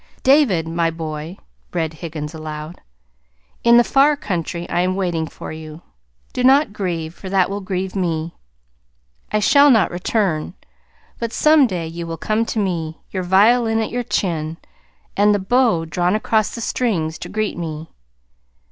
David, my boy [read Higgins aloud], in the far country I am waiting for you. Do not grieve, for that will grieve me. I shall not return, but some day you will come to me, your violin at your chin, and the bow drawn across the strings to greet me.